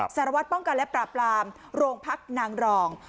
สารวัตรป้องกันและปราบรามโรงพักนางรอง